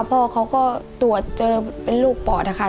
พ่อเขาก็ตรวจเจอเป็นลูกปอดนะคะ